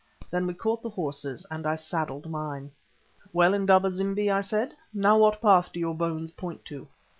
Then we caught the horses, and I saddled mine. "Well, Indaba zimbi," I said, "now what path do your bones point to?"